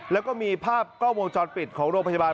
แล้วก็มีภาพกล้องวงจรปิดของโรงพยาบาล